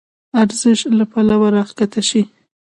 ارزش له پلوه راکښته شي.